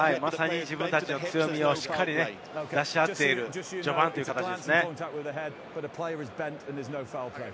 自分たちの強みをしっかり出し合っている序盤という形ですね。